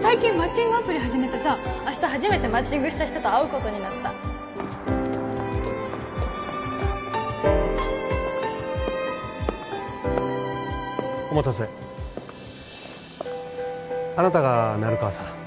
最近マッチングアプリ始めてさ明日初めてマッチングした人と会うことになったお待たせあなたが成川さん